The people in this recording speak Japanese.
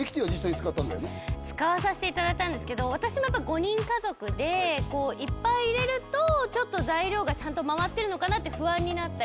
使わさせていただいたんですけど私もやっぱり５人家族でいっぱい入れるとちょっと材料がちゃんと回ってるのかな？って不安になったりとか。